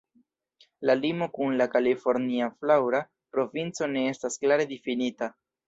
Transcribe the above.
La limo kun la Kalifornia Flaŭra Provinco ne estas klare difinita.